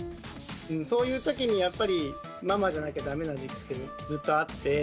そういうときにやっぱりママじゃなきゃダメな時期ってずっとあって。